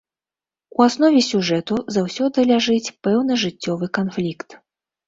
У аснове сюжэту заўсёды ляжыць пэўны жыццёвы канфлікт.